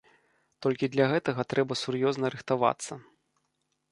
Толькі для гэтага трэба сур'ёзна рыхтавацца.